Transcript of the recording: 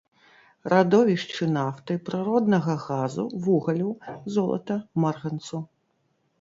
Радовішчы нафты, прыроднага газу, вугалю, золата, марганцу.